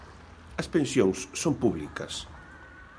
As pensións son públicas.